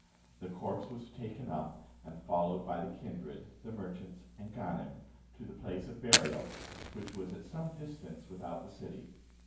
The corpse was taken up, and followed by the kindred, the merchants, and Ganem, to the place of burial, which was at some distance without the city.